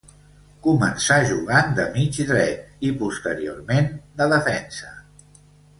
Començà jugant de mig dret i, posteriorment, de defensa.